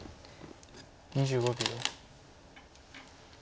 ２５秒。